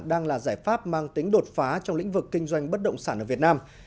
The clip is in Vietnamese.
đang là giải pháp mang tính đột phá trong lĩnh vực kinh doanh bất động sản ở việt nam